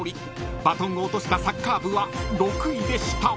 ［バトンを落としたサッカー部は６位でした］